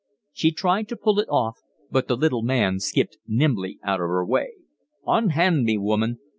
She tried to pull it off, but the little man skipped nimbly out of her way. "Unhand me, woman.